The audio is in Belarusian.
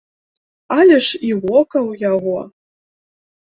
Але ж і вока ў яго.